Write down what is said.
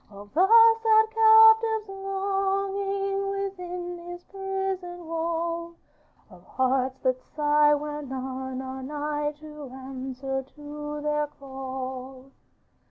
'Of the sad captive's longing Within his prison wall, Of hearts that sigh when none are nigh To answer to their call.